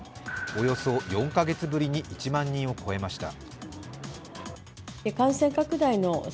およそ４カ月ぶりに１万人を超えました。